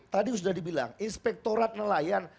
tadi sudah dibilang inspektorat nelayan